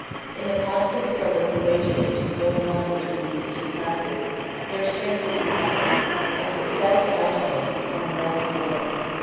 In the constant struggle for wages which is going on between these two classes, their strength is divided, and success alternates from one to the other.